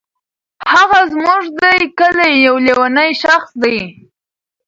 هغه زمونږ دي کلې یو لیونی شخص دی.